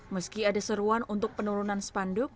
meski ada seruan untuk penurunan spanduk